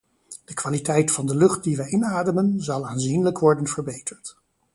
De kwaliteit van de lucht die wij inademen, zal aanzienlijk worden verbeterd.